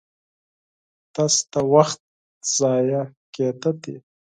تش د وخت ضايع کېده دي